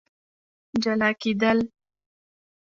جلا کېدل